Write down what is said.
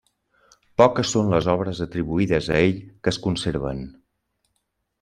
Poques són les obres atribuïdes a ell que es conserven.